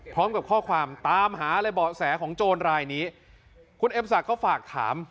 พร้อมกับข้อความตามหาเลยเบาะแสของโจรรายนี้คุณเอ็มศักดิ์ก็ฝากถาม